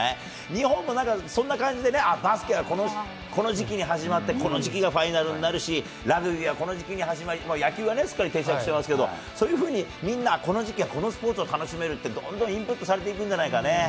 日本もなんかそんな感じでね、バスケはこの時期に始まって、この時期がファイナルになるし、ラグビーはこの時期に始まり、野球はね、すっかり定着してますけど、そういうふうにみんな、この時期はこのスポーツを楽しめるって、どんどんインプットされていくじゃないかね。